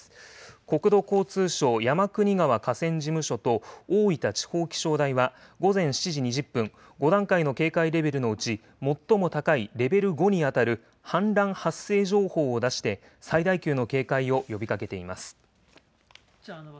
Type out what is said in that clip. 国土交通省山国川河川事務所と大分地方気象台は午前７時２０分、５段階の警戒レベルのうち最も高いレベル５に当たる氾濫発生情報を出して、最大級の警戒を呼びかけています。